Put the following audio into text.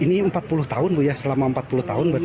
ini empat puluh tahun bu ya selama empat puluh tahun berarti